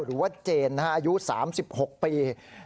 หรือว่าเจนนะครับอายุ๓๖ปี